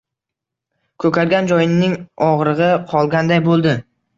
Ko‘kargan joyining og‘rig‘i qolganday bo‘ldi.